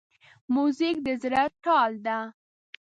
موزیک د زړه تال ده.